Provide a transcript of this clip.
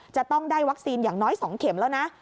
จะต้องได้วัคซีนอย่างน้อย๒เข็มแล้วนะ